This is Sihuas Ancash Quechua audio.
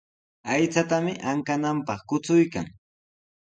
Aychatami ankananpaq kuchuykan.